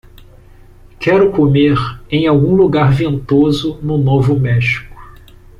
quero comer em algum lugar ventoso no Novo México